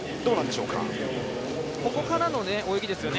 ここからの泳ぎですよね。